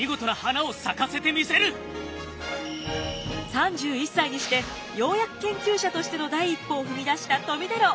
３１歳にしてようやく研究者としての第一歩を踏み出した富太郎。